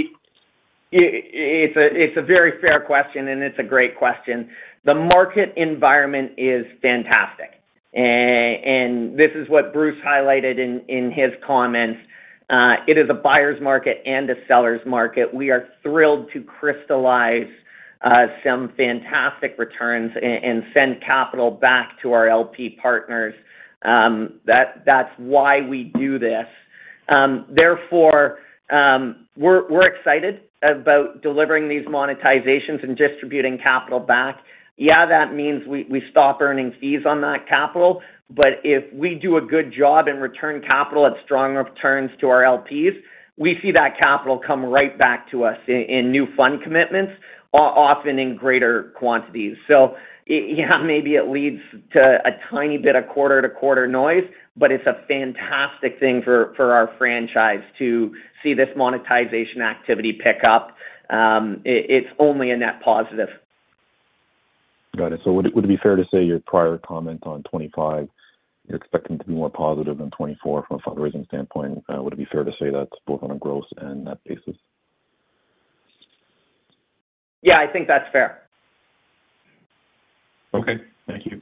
It's a very fair question, and it's a great question. The market environment is fantastic, and this is what Bruce highlighted in his comments. It is a buyer's market and a seller's market. We are thrilled to crystallize some fantastic returns and send capital back to our LP partners. That's why we do this. Therefore, we're excited about delivering these monetizations and distributing capital back. Yeah, that means we stop earning fees on that capital, but if we do a good job and return capital at strong returns to our LPs, we see that capital come right back to us in new fund commitments, often in greater quantities. So yeah, maybe it leads to a tiny bit of quarter-to-quarter noise, but it's a fantastic thing for our franchise to see this monetization activity pick up. It's only a net positive. Got it. So would it be fair to say your prior comment on 2025, you're expecting to be more positive than 2024 from a fundraising standpoint? Would it be fair to say that both on a gross and net basis? Yeah, I think that's fair. Okay. Thank you.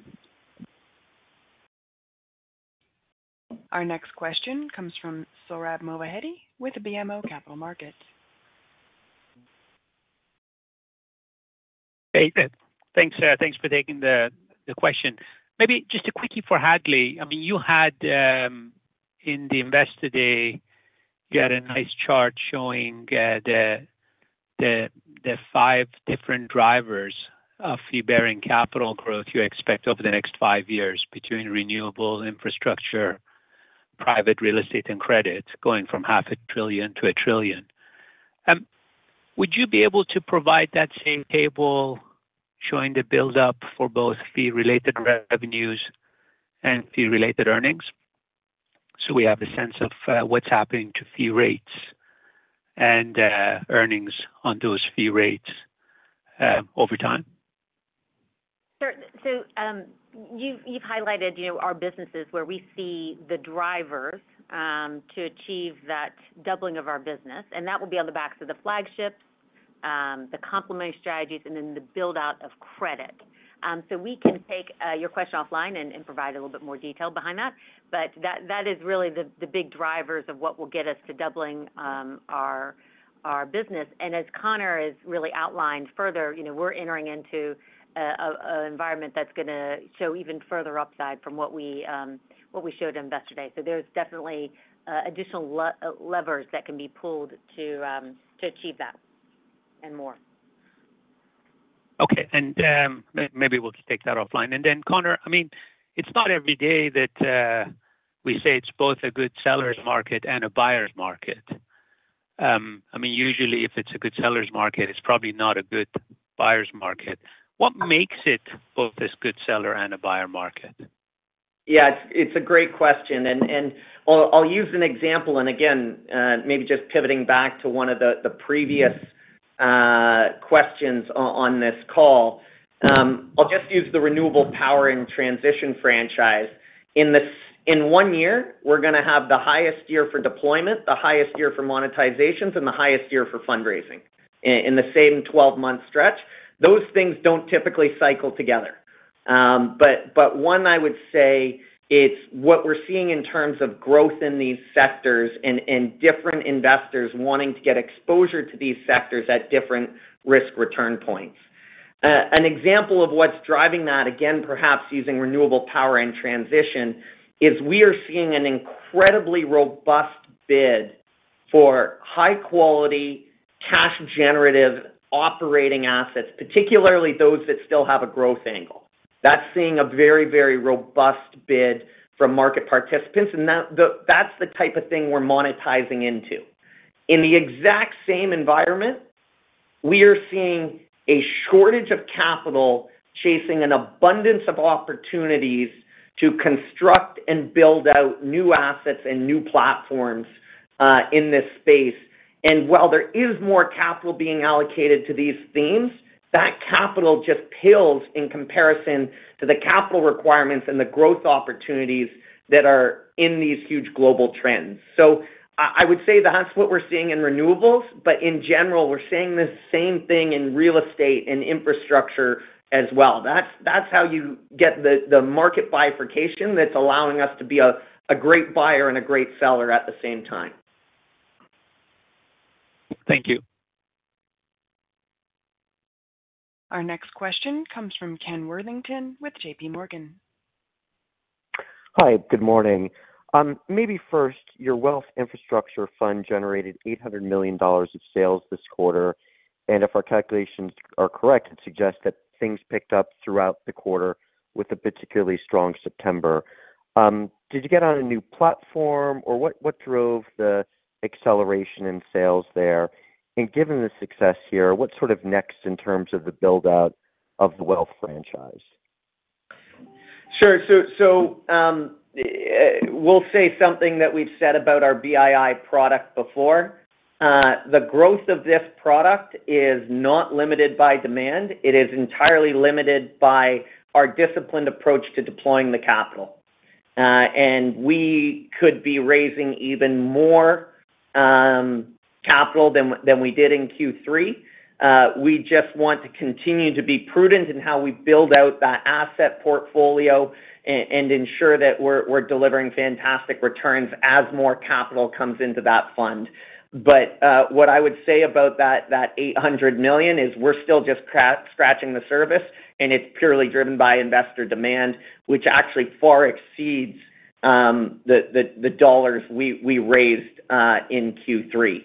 Our next question comes from Sohrab Movahedi with BMO Capital Markets. Hey. Thanks for taking the question. Maybe just a quickie for Hadley. I mean, you had in the Investor Day, you had a nice chart showing the five different drivers of fee-bearing capital growth you expect over the next five years between renewable infrastructure, private real estate, and credit going from $0.5 trillion to $1 trillion. Would you be able to provide that same table showing the build-up for both fee-related revenues and fee-related earnings so we have a sense of what's happening to fee rates and earnings on those fee rates over time? Sure. So you've highlighted our businesses where we see the drivers to achieve that doubling of our business. And that will be on the backs of the flagships, the complementary strategies, and then the build-out of credit. So we can take your question offline and provide a little bit more detail behind that. But that is really the big drivers of what will get us to doubling our business. And as Connor has really outlined further, we're entering into an environment that's going to show even further upside from what we showed in Investor Day. So there's definitely additional levers that can be pulled to achieve that and more. Okay. Maybe we'll just take that offline. Then, Connor, I mean, it's not every day that we say it's both a good seller's market and a buyer's market. I mean, usually, if it's a good seller's market, it's probably not a good buyer's market. What makes it both a good seller and a buyer market? Yeah, it's a great question. I'll use an example. Again, maybe just pivoting back to one of the previous questions on this call, I'll just use the renewable power and transition franchise. In one year, we're going to have the highest year for deployment, the highest year for monetizations, and the highest year for fundraising in the same 12-month stretch. Those things don't typically cycle together. But one, I would say it's what we're seeing in terms of growth in these sectors and different investors wanting to get exposure to these sectors at different risk return points. An example of what's driving that, again, perhaps using renewable power and transition, is we are seeing an incredibly robust bid for high-quality cash-generative operating assets, particularly those that still have a growth angle. That's seeing a very, very robust bid from market participants. And that's the type of thing we're monetizing into. In the exact same environment, we are seeing a shortage of capital chasing an abundance of opportunities to construct and build out new assets and new platforms in this space. And while there is more capital being allocated to these themes, that capital just pales in comparison to the capital requirements and the growth opportunities that are in these huge global trends. So I would say that's what we're seeing in renewables. But in general, we're seeing the same thing in real estate and infrastructure as well. That's how you get the market bifurcation that's allowing us to be a great buyer and a great seller at the same time. Thank you. Our next question comes from Ken Worthington with JPMorgan. Hi, good morning. Maybe first, your wealth infrastructure fund generated $800 million of sales this quarter. And if our calculations are correct, it suggests that things picked up throughout the quarter with a particularly strong September. Did you get on a new platform, or what drove the acceleration in sales there? And given the success here, what's sort of next in terms of the build-out of the wealth franchise? Sure. So we'll say something that we've said about our BII product before. The growth of this product is not limited by demand. It is entirely limited by our disciplined approach to deploying the capital, and we could be raising even more capital than we did in Q3. We just want to continue to be prudent in how we build out that asset portfolio and ensure that we're delivering fantastic returns as more capital comes into that fund, but what I would say about that $800 million is we're still just scratching the surface, and it's purely driven by investor demand, which actually far exceeds the dollars we raised in Q3.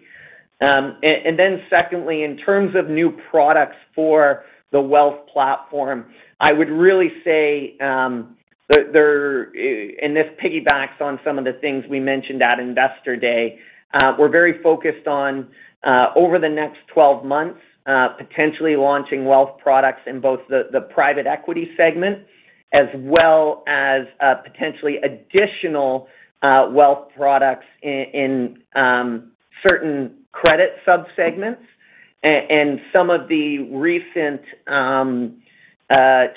And then secondly, in terms of new products for the wealth platform, I would really say in this piggybacks on some of the things we mentioned at Investor Day. We're very focused on over the next 12 months, potentially launching wealth products in both the private equity segment as well as potentially additional wealth products in certain credit subsegments. And some of the recent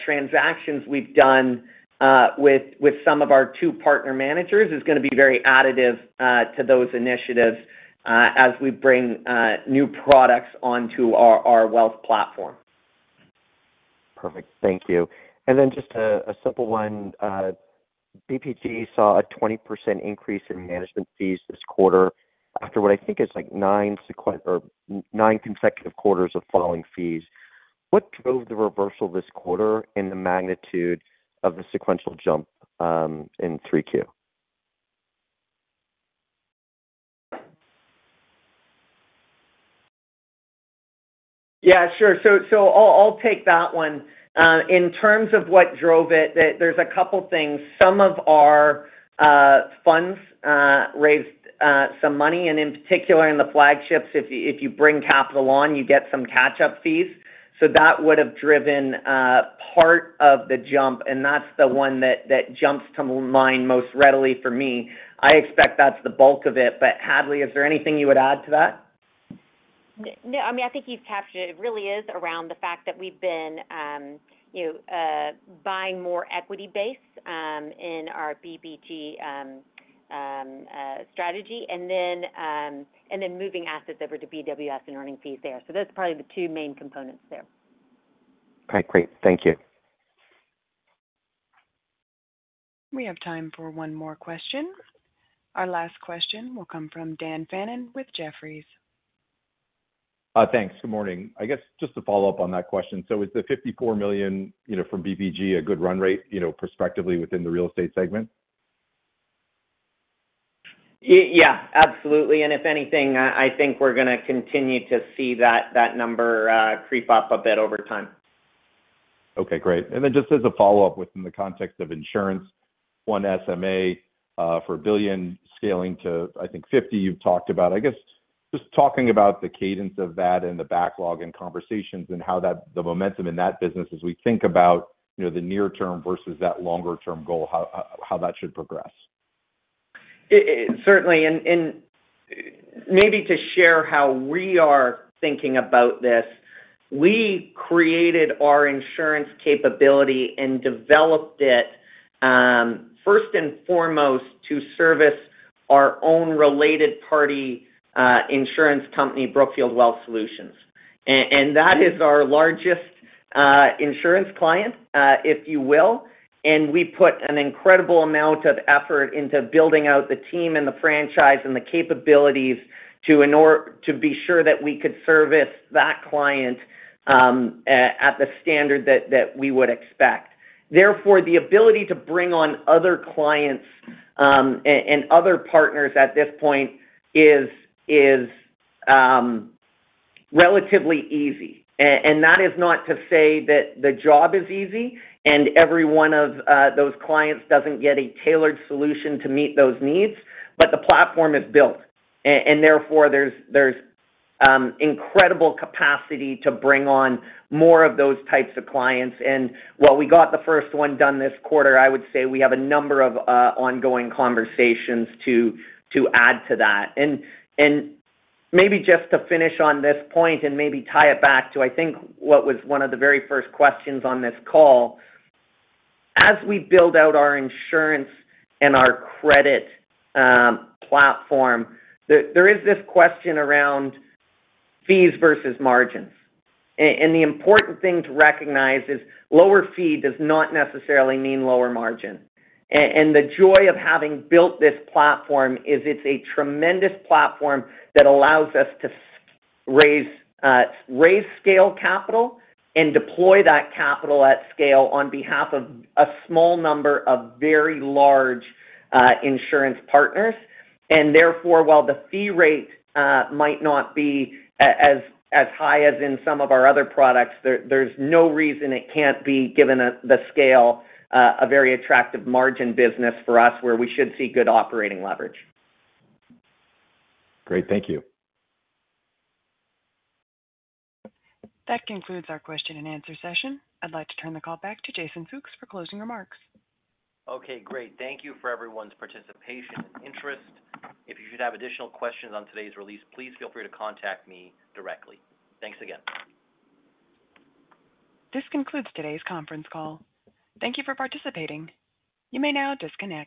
transactions we've done with some of our two partner managers is going to be very additive to those initiatives as we bring new products onto our wealth platform. Perfect. Thank you. And then just a simple one. BPG saw a 20% increase in management fees this quarter after what I think is like nine consecutive quarters of falling fees. What drove the reversal this quarter in the magnitude of the sequential jump in 3Q? Yeah, sure. So I'll take that one. In terms of what drove it, there's a couple of things. Some of our funds raised some money. And in particular, in the flagships, if you bring capital on, you get some catch-up fees. So that would have driven part of the jump. And that's the one that jumps to mind most readily for me. I expect that's the bulk of it. But Hadley, is there anything you would add to that? No. I mean, I think you've captured it. It really is around the fact that we've been buying more equity-based in our BPG strategy and then moving assets over to BWS and earning fees there. So that's probably the two main components there. Okay. Great. Thank you. We have time for one more question. Our last question will come from Dan Fannon with Jefferies. Thanks. Good morning. I guess just to follow up on that question, so is the $54 million from BPG a good run rate prospectively within the real estate segment? Yeah, absolutely, and if anything, I think we're going to continue to see that number creep up a bit over time. Okay. Great, and then just as a follow-up within the context of insurance, one SMA for $1 billion scaling to, I think, $50 billion you've talked about. I guess just talking about the cadence of that and the backlog and conversations and how the momentum in that business as we think about the near-term versus that longer-term goal, how that should progress. Certainly, and maybe to share how we are thinking about this, we created our insurance capability and developed it first and foremost to service our own related party insurance company, Brookfield Wealth Solutions. And that is our largest insurance client, if you will. And we put an incredible amount of effort into building out the team and the franchise and the capabilities to be sure that we could service that client at the standard that we would expect. Therefore, the ability to bring on other clients and other partners at this point is relatively easy. And that is not to say that the job is easy and every one of those clients doesn't get a tailored solution to meet those needs, but the platform is built. And therefore, there's incredible capacity to bring on more of those types of clients. And while we got the first one done this quarter, I would say we have a number of ongoing conversations to add to that. And maybe just to finish on this point and maybe tie it back to, I think, what was one of the very first questions on this call, as we build out our insurance and our credit platform, there is this question around fees versus margins. And the important thing to recognize is lower fee does not necessarily mean lower margin. And the joy of having built this platform is it's a tremendous platform that allows us to raise scale capital and deploy that capital at scale on behalf of a small number of very large insurance partners. And therefore, while the fee rate might not be as high as in some of our other products, there's no reason it can't be, given the scale, a very attractive margin business for us where we should see good operating leverage. Great. Thank you. That concludes our question and answer session. I'd like to turn the call back to Jason Fooks for closing remarks. Okay. Great. Thank you for everyone's participation and interest. If you should have additional questions on today's release, please feel free to contact me directly. Thanks again. This concludes today's conference call. Thank you for participating. You may now disconnect.